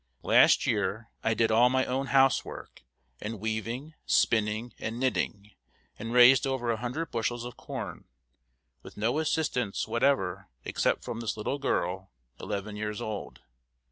"Last year, I did all my own housework, and weaving, spinning, and knitting, and raised over a hundred bushels of corn, with no assistance whatever except from this little girl, eleven years old.